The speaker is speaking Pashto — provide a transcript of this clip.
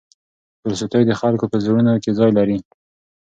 تولستوی د خلکو په زړونو کې ځای لري.